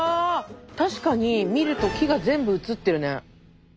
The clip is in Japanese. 確かに見ると木が全部写ってるね。